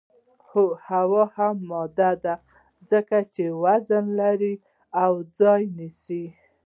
هو هوا هم ماده ده ځکه چې وزن لري او ځای نیسي